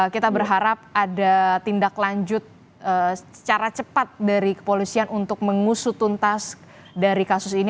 kita berharap ada tindak lanjut secara cepat dari kepolisian untuk mengusutuntas dari kasus ini